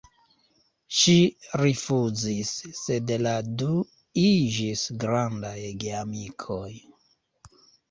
Ŝi rifuzis, sed la du iĝis grandaj geamikoj.